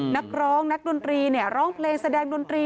นักร้องนักดนตรีร้องเพลงแสดงดนตรี